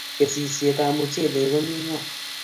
Sigishet ab mchelek komie ngwony